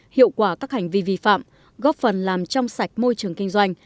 hiệu quả các hành vi vi phạm góp phần làm trong sạch môi trường kinh doanh